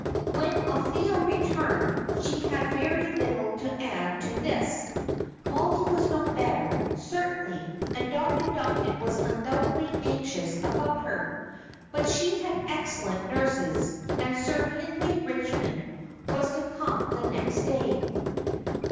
When Althea returned, she had very little to add to this. Mollie was no better, certainly, and Dr. Duncan was undoubtedly anxious about her; but she had excellent nurses, and Sir Hindley Richmond was to come the next day.